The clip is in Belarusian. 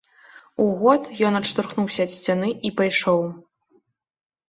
У год ён адштурхнуўся ад сцяны і пайшоў.